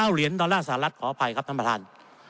เหรียญดอลลาร์สหรัฐขออภัยครับท่านประธาน